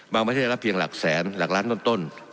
ประเทศรับเพียงหลักแสนหลักล้านต้น